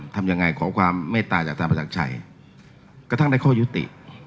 ทำอย่างไรขอความไม่ตายจากท่านประจักรชัยกระทั่งได้ข้อยุติ